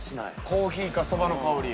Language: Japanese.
コーヒーか蕎麦の香り。